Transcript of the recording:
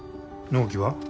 納期は？